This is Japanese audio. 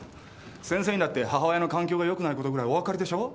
先生にだって母親の環境がよくないことぐらいお分かりでしょう？